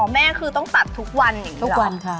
อ๋อแม่คือต้องตัดทุกวันอย่างนี้เหรอทุกวันค่ะ